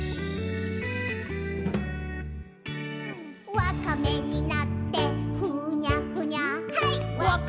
「わかめになってふにゃふにゃ」